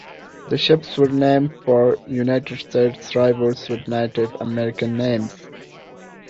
The ships were named for United States rivers with Native American names.